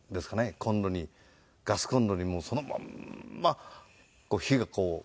コンロにガスコンロにもうそのまんま火がともってて。